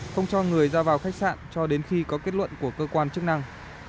không cho người ra vào khách sạn cho đến khi có kết luận của cơ quan chức năng